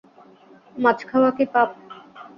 মাছ খাওয়া কি পাপ?